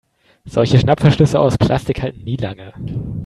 Solche Schnappverschlüsse aus Plastik halten nie lange.